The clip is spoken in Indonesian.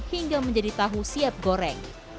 hingga menjadi tahu siap goreng